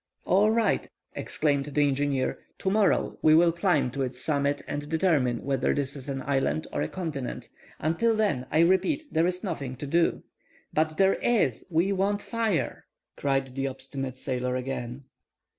"All right," exclaimed the engineer. "Tomorrow we will climb to its summit and determine whether this is an island or a continent; until then I repeat there is nothing to do." "But there is; we want fire!" cried the obstinate sailor again.